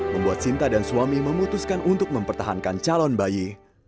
membuat sinta dan suami memutuskan untuk mempertahankan calon bayi